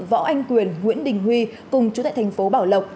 võ anh quyền nguyễn đình huy cùng chú tại thành phố bảo lộc